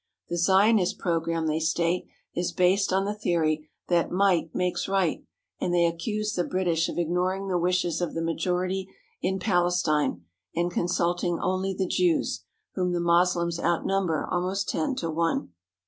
The Zionist programme, they state, is based on the theory that might makes right, and they accuse the British of ignoring the wishes of the majority in Palestine and consulting only the Jews, whom the Moslems outnumber almost ten to one.